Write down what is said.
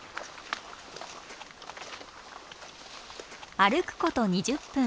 歩くこと２０分。